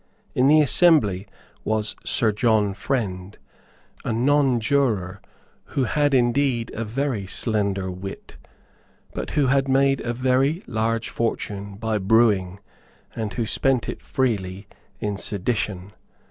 In the assembly was Sir John Friend, a nonjuror who had indeed a very slender wit, but who had made a very large fortune by brewing, and who spent it freely in sedition.